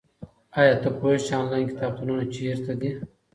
ایا ته پوهېږې چې انلاین کتابتونونه چیرته دي؟